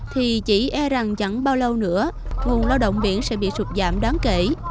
thì chỉ e rằng chẳng bao lâu nữa nguồn lao động biển sẽ bị sụp giảm đáng kể